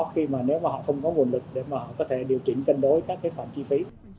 khi mà nếu mà họ không có nguồn lực để mà họ có thể điều chỉnh cân đối các cái khoản chi phí